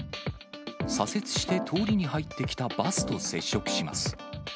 左折して通りに入ってきたバスと接触します。